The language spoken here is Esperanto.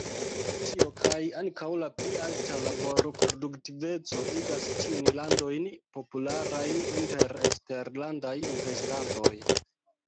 Tio, kaj ankaŭ la pli alta laborproduktiveco, igas tiujn landojn popularaj inter eksterlandaj investantoj.